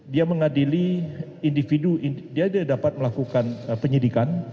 dia mengadili individu dia dapat melakukan penyidikan